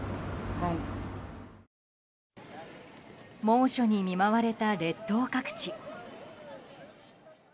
猛暑に見舞われた列島各地。